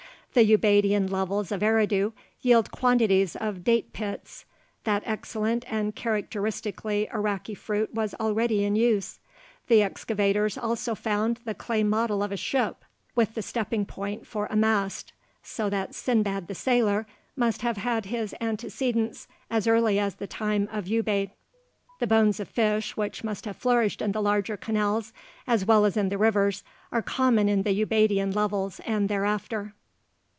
The Ubaidian levels of Eridu yield quantities of date pits; that excellent and characteristically Iraqi fruit was already in use. The excavators also found the clay model of a ship, with the stepping point for a mast, so that Sinbad the Sailor must have had his antecedents as early as the time of Ubaid. The bones of fish, which must have flourished in the larger canals as well as in the rivers, are common in the Ubaidian levels and thereafter.